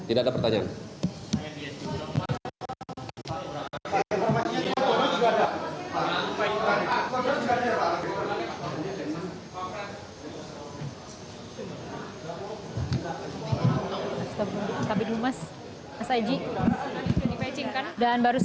tidak ada pertanyaan